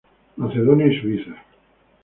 Macedonia y Suiza.